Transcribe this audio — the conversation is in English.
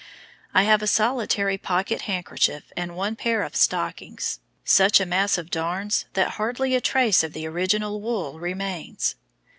I have a solitary pocket handkerchief and one pair of stockings, such a mass of darns that hardly a trace of the original wool remains.